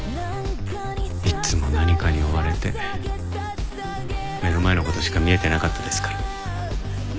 いつも何かに追われて目の前の事しか見えてなかったですから。